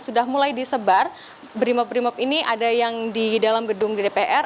sudah mulai disebar brimob brimob ini ada yang di dalam gedung di dpr